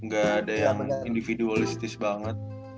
gak ada yang individualistis banget